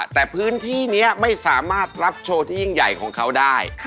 แต่พื้นที่นี้ไม่สามารถรับโชว์ที่ยิ่งใหญ่ของเขาได้